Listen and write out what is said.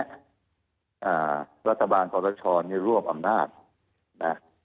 อ่ารัฐบาลธรรมชลวงอำนาจนะ